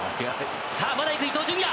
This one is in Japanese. さあ、まだいく、伊東純也。